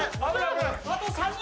あと３人！